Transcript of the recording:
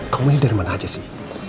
aku ini dari mana aja sih